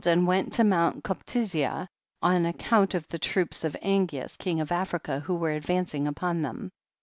and went to Mount Cuptizia on account of the troops of Angeas king of Africa, who were advancing upon them.